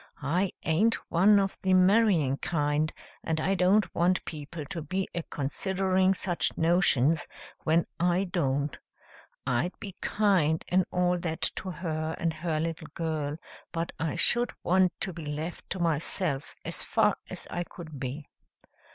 I aint one of the marrying kind, and I don't want people to be a considering such notions when I don't. I'd be kind and all that to her and her little girl, but I should want to be left to myself as far as I could be."